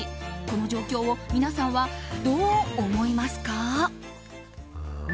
この状況を皆さんは、どう思いますか？